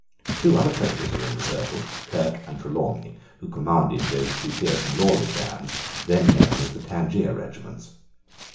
Two other traitors were in the circle, Kirke and Trelawney, who commanded those two fierce and lawless bands then known as the Tangier regiments.